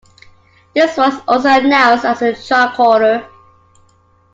This was also announced as a "tricorder".